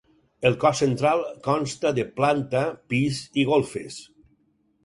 El cos central consta de planta, pis i golfes.